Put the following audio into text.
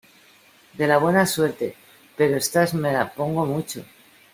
de la buena suerte, pero estas me las pongo mucho